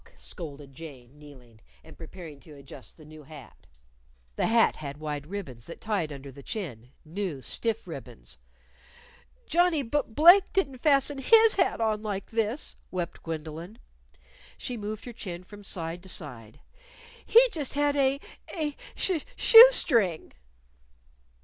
scolded Jane, kneeling, and preparing to adjust the new hat. The hat had wide ribbons that tied under the chin new, stiff ribbons. "Johnnie Bu Blake didn't fasten his hat on like this," wept Gwendolyn. She moved her chin from side to side. "He just had a a sh shoe string."